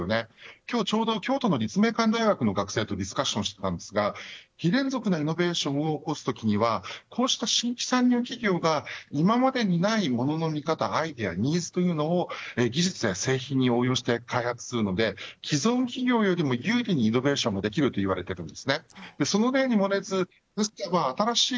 今日ちょうど京都の立命館大学の学生とディスカッションしたんですが非連続なイノベーションを起こすときにはこうした新規参入企業が今までにない、ものの見方やアイデアで技術や製品を開発するので既存企業よりも有利にイノベーションを起こすことができると言われています。